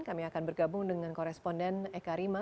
kami akan bergabung dengan koresponden eka rima